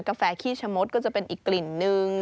กาแฟขี้ชะมดก็จะเป็นอีกกลิ่นนึง